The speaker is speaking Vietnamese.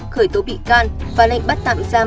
khởi tố bị can và lệnh bắt tạm giam